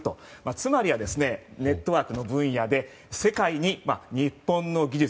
つまりはネットワークの分野で世界に日本の技術